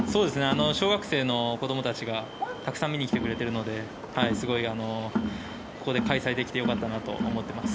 小学生の子どもたちがたくさん見に来てくれているのですごい、ここで開催できてよかったなと思います。